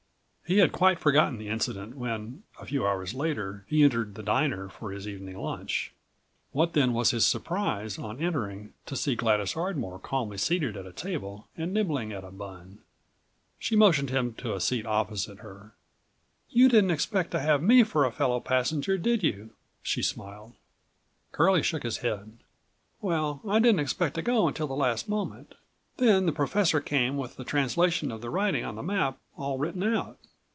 112 He had quite forgotten the incident when, a few hours later, he entered the diner for his evening lunch. What then was his surprise, on entering, to see Gladys Ardmore calmly seated at a table and nibbling at a bun. She motioned him to a seat opposite her. "You didn't expect to have me for a fellow passenger, did you?" she smiled. Curlie shook his head. "Well, I didn't expect to go until the last moment. Then the professor came with the translation of the writing on the map all written out.